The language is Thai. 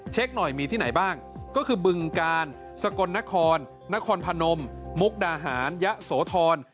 หน่อยมีที่ไหนบ้างก็คือบึงกาลสกลนครนครพนมมุกดาหารยะโสธร